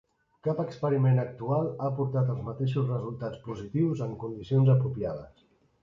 Cap experiment actual ha portat als mateixos resultats positius en condicions apropiades.